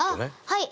はい。